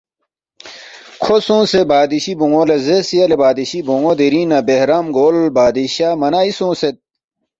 کھو سونگسے بادشی بون٘و لہ زیرس، ”یلے بادشی بون٘و دِرِنگ نہ بہرام گول بادشاہ منائی سونگسید